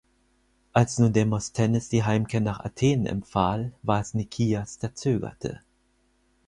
Als nun Demosthenes die Heimkehr nach Athen empfahl, war es Nikias, der zögerte.